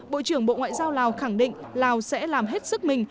bộ trưởng bộ ngoại giao lào khẳng định lào sẽ làm hết sức mình